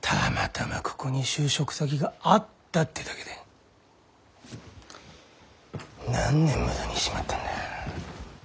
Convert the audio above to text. たまたまここに就職先があったってだけで何年無駄にしちまったんだ。